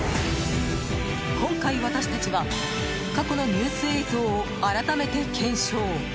今回、私たちは過去のニュース映像を改めて検証。